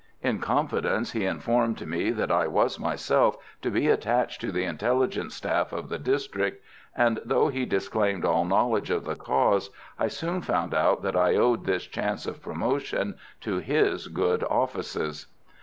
In confidence he informed me that I was myself to be attached to the intelligence staff of the district; and, though he disclaimed all knowledge of the cause, I soon found out that I owed this chance of promotion to his good offices.